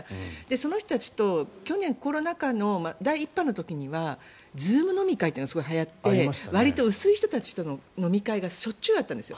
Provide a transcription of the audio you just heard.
その人たちと去年コロナ禍の第１波の時にはＺｏｏｍ飲み会というのがすごくはやってわりと薄い人たちとの飲み会がしょっちゅうあったんですよ。